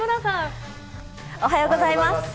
おはようございます。